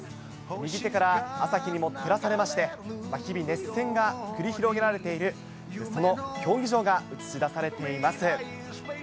右手から朝日にも照らされまして、日々、熱戦が繰り広げられている、その競技場が映し出されています。